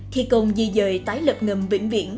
thi công di dời tái lập ngầm vĩnh viễn